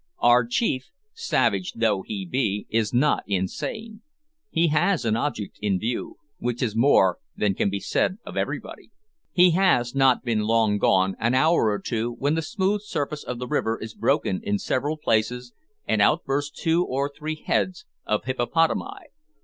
Our chief, "savage" though he be, is not insane. He has an object in view which is more than can be said of everybody. He has not been long gone, an hour or two, when the smooth surface of the river is broken in several places, and out burst two or three heads of hippopotami.